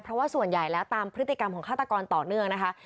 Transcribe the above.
เพราะว่าส่วนใหญ่แล้วตามพฤติกรรมของฆาตกรต่อเนื่องนะคะ